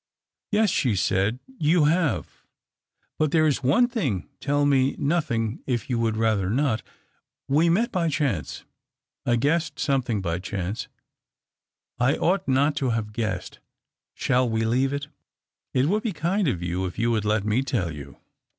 " Yes," she said, '' you have. But there is 3ne thing, tell me nothing if you would rather aot. We met by chance. I guessed some bliing by chance. I ought n(jt to have guessed — shall we leave it ?"" It would be kind of you if you would let me tell you."